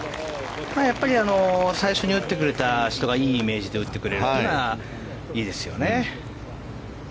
最初に打ってくれた人がいいイメージで打ってくれたのはいいですよね。